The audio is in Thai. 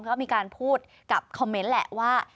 ก็มีการพูดกับคอมเมนต์แหละว่า